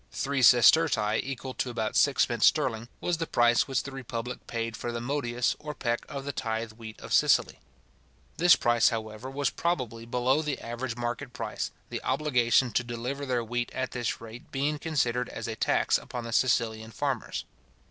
Three sestertii equal to about sixpence sterling, was the price which the republic paid for the modius or peck of the tithe wheat of Sicily. This price, however, was probably below the average market price, the obligation to deliver their wheat at this rate being considered as a tax upon the Sicilian farmers.